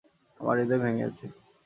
আমার হৃদয় ভেঙ্গে গেছে।